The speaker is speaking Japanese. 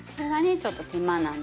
ちょっと手間なんですよね。